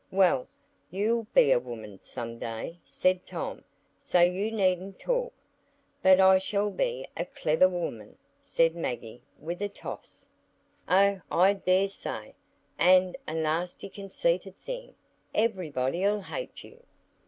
"Well, you'll be a woman some day," said Tom, "so you needn't talk." "But I shall be a clever woman," said Maggie, with a toss. "Oh, I dare say, and a nasty conceited thing. Everybody'll hate you."